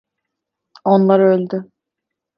Onlar öldü.